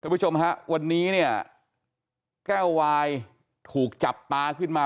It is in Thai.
ผู้ชมฮะวันนี้เนี่ยแก้ววายถูกจับตาขึ้นมา